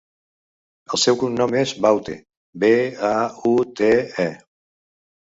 El seu cognom és Baute: be, a, u, te, e.